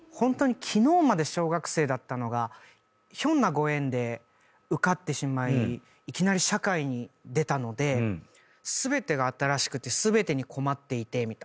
昨日まで小学生だったのがひょんなご縁で受かってしまいいきなり社会に出たので全てが新しくて全てに困っていて。